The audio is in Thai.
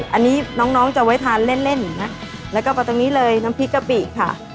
อันนี้น้องน้องจะไว้ทานเล่นเล่นนะแล้วก็ไปตรงนี้เลยน้ำพริกกะปิค่ะ